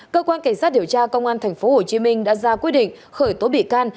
cơ quan cảnh sát điều tra công an tp hcm đã ra quyết định khởi tố bị can